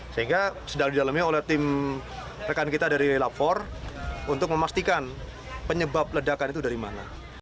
sehingga sedang didalami oleh tim rekan kita dari lapor untuk memastikan penyebab ledakan itu dari mana